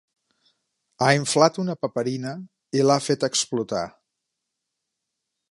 Ha inflat una paperina i l'ha feta explotar.